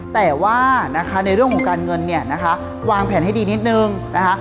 แต่ว่านะคะในเรื่องของการเงินเนี่ยนะคะวางแผนให้ดีนิดนึงนะคะ